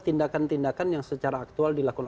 tindakan tindakan yang secara aktual dilakukan